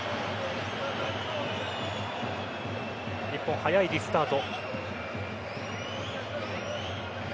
日本、早いリスタート。